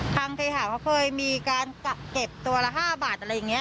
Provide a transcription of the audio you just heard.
เคหาเขาเคยมีการเก็บตัวละ๕บาทอะไรอย่างนี้